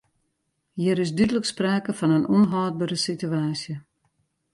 Hjir is dúdlik sprake fan in ûnhâldbere sitewaasje.